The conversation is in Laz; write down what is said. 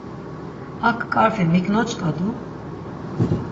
Ak k̆arfi mik noç̆k̆adu?